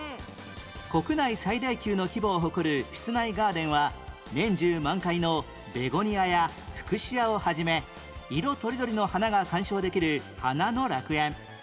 国内最大級の規模を誇る室内ガーデンは年中満開のベゴニアやフクシアを始め色とりどりの花が観賞できる花の楽園